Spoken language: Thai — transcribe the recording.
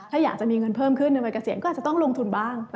ถ้าอยากจะมีเงินเพิ่มขึ้นทำไมเกษียณก็อาจจะต้องลงทุนบ้าง